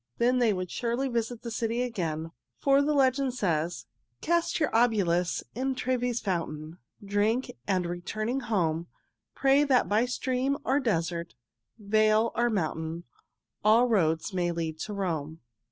Then they would surely visit the city again, for the legend says: Cast your obulus in Trevi's fountain, Drink and, returning home, Pray that by stream or desert, vale or mountain, All roads may lead to Rome.